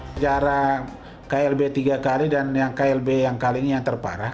sejarah klb tiga kali dan yang klb yang kali ini yang terparah